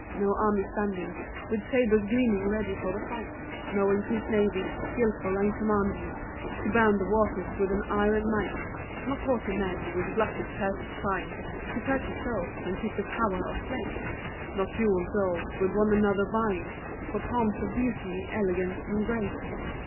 No armies standing With sabres gleaming ready for the fight; Not increased navies, skilful and commanding, To bound the waters with an iron might; Not haughty men with glutted purses trying To purchase souls, and keep the power of place; Not jewelled dolls with one another vying For palms of beauty, elegance, and grace.